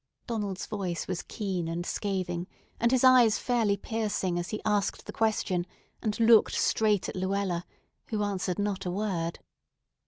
Donald's voice was keen and scathing, and his eyes fairly piercing as he asked the question and looked straight at Luella, who answered not a word.